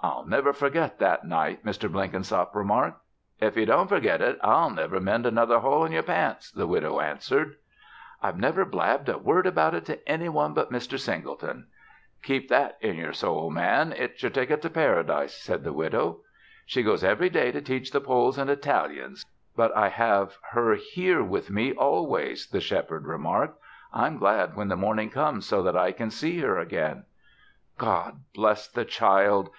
"I'll never forget that night," Mr. Blenkinsop remarked. "If ye don't fergit it, I'll never mend another hole in yer pants," the widow answered. "I've never blabbed a word about it to any one but Mr. Singleton." "Keep that in yer soul, man. It's yer ticket to Paradise," said the widow. "She goes every day to teach the Poles and Italians, but I have her here with me always," the Shepherd remarked. "I'm glad when the morning comes so that I can see her again." "God bless the child!